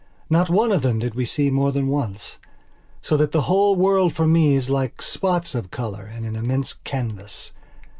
Not one of them did we see more than once, so that the whole world for me is like spots of colour in an immense canvas.